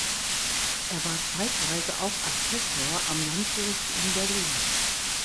Er war zeitweise auch Assessor am Landgericht in Berlin.